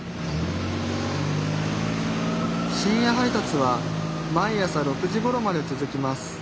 深夜配達は毎朝６時ごろまで続きます